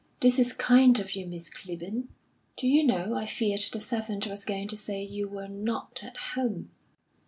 "This is kind of you, Miss Clibborn! Do you know, I feared the servant was going to say you were 'not at home.'"